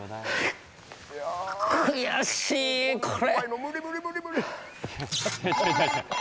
悔しいこれ。